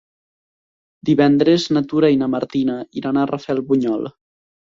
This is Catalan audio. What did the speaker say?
Divendres na Tura i na Martina iran a Rafelbunyol.